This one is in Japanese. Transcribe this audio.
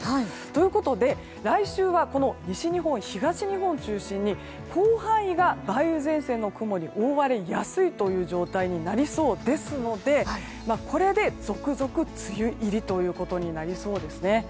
ということで来週はこの西日本、東日本中心に広範囲が梅雨前線の雲に覆われやすい状態になりそうですのでこれで続々梅雨入りということになりそうですね。